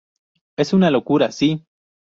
Es una locura, sí.